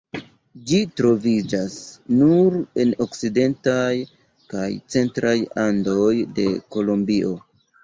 Ĝi troviĝas nur en okcidentaj kaj centraj Andoj de Kolombio.